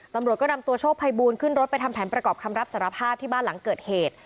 ตำรวจก็นำตัวโชคภัยบูลขึ้นรถไปทำแผนประกอบคำรับสารภาพที่บ้านหลังเกิดเหตุ